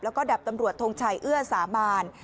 แล้วก็ดับตำรวจทงชัยเอื้อสามาร